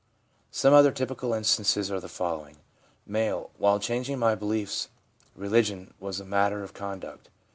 Some other typical instances are the following : M. ' While changing my beliefs, religion was more a matter of conduct.